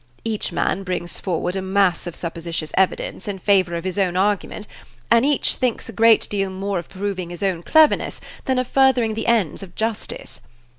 Each man brings forward a mass of supposititious evidence in favor of his own argument, and each thinks a great deal more of proving his own cleverness than of furthering the ends of justice.